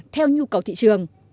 theo nhu cầu thị trường